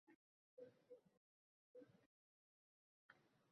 bu ma’lumotlarga ishlov berish zarur bo‘lganda;